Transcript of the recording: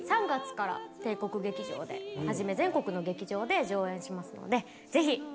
３月から帝国劇場はじめ全国の劇場で上演しますのでぜひ。